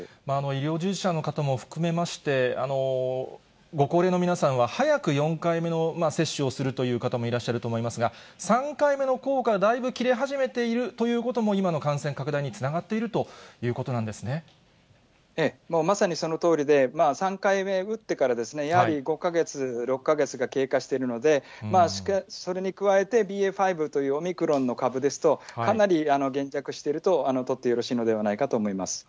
医療従事者の方も含めまして、ご高齢の皆さんは早く４回目の接種をするという方もいらっしゃると思いますが、３回目の効果、だいぶ切れ始めているということも、今の感染拡大につながっていもうまさにそのとおりで、３回目打ってから、やはり５か月、６か月が経過してるので、それに加えてＢＡ．５というオミクロンの株ですと、かなり減却していると取ってよろしいのではないかと思います。